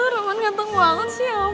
roman ganteng banget sih roman